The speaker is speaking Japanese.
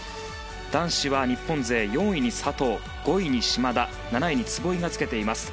男子は日本勢４位に佐藤５位に島田７位に壷井がつけています。